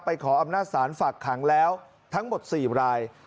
ขออำนาจศาลฝากขังแล้วทั้งหมด๔ราย